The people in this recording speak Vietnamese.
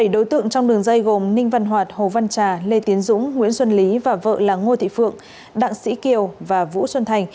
bảy đối tượng trong đường dây gồm ninh văn hoạt hồ văn trà lê tiến dũng nguyễn xuân lý và vợ là ngô thị phượng đặng sĩ kiều và vũ xuân thành